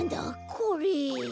これ。